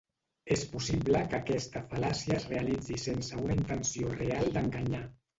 És possible que aquesta fal·làcia es realitzi sense una intenció real d'enganyar.